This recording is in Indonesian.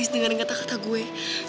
please denger kata kata gue